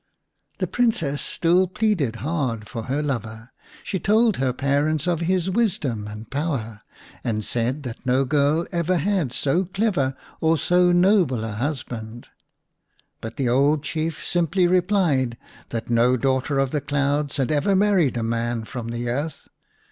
The Princess still pleaded hard for her lover ; she told her parents of his wisdom v 51 The Rabbit Prince v and power, and said that no girl ever had so clever or so noble a husband ; but the old Chief simply replied that no daughter of the clouds had ever married a man from the earth.